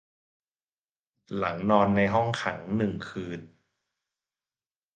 หลังนอนในห้องขังหนึ่งคืน